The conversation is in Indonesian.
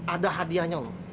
ada hadiahnya loh